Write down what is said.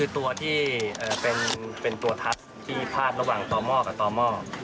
ตัวทัสที่พาดระหว่างต่อหม้อกับต่อหม้อ